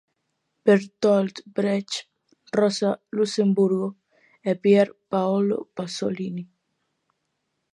Bertolt Brecht, Rosa Luxemburgo e Pier Paolo Pasolini.